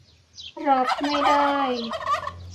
รับไม่ได้